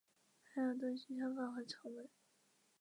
还有东西厢房和朝门。